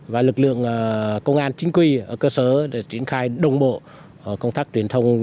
và lực lượng công an chính quy ở cơ sở để triển khai đồng bộ công tác truyền thông